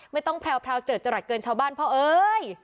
ไม่ต้องแพรวเจอเจรจรัดเกินชาวบ้านเพราะเอ้ย